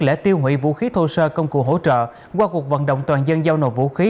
lễ tiêu hủy vũ khí thô sơ công cụ hỗ trợ qua cuộc vận động toàn dân giao nộp vũ khí